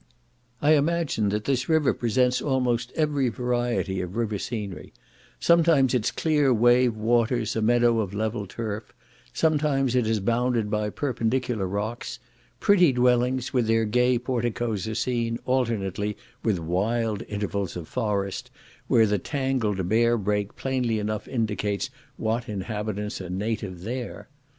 I imagine that this river presents almost every variety of river scenery; sometimes its clear wave waters a meadow of level turf; sometimes it is bounded by perpendicular rocks; pretty dwellings, with their gay porticos are seen, alternately with wild intervals of forest, where the tangled bear brake plainly enough indicates what inhabitants are native there.